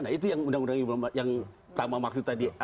nah itu yang undang undang yang pertama maksud tadi